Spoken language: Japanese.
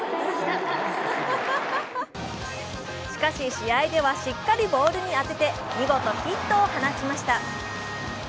しかし、試合ではしっかりボールに当てて、見事ヒットを放ちました。